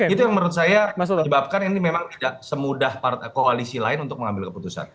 itu yang menurut saya menyebabkan ini memang tidak semudah koalisi lain untuk mengambil keputusan